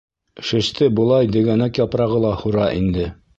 Шеште былай дегәнәк япрағы ла һура инде.